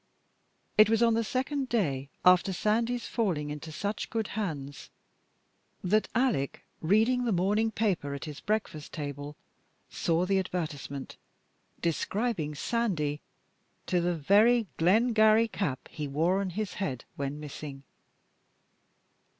It was on the second day after Sandy's falling into such good hands that Alec, reading the morning paper at his breakfast table, saw the advertisement describing Sandy to the very Glengarry cap he wore on his head when missing.